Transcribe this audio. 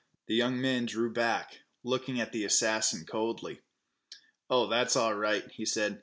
The young man drew back, looking at the assassin coldly. "Oh, that's all right," he said.